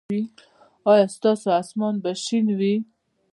ایا ستاسو اسمان به شین وي؟